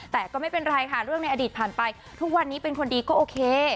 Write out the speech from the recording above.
แต่ก็ไม่เป็นไรค่ะเรื่องในอดีตผ่านไปทุกวันนี้เป็นคนดีก็โอเค